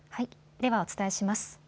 ではお伝えします。